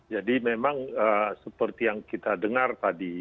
jadi memang seperti yang kita dengar tadi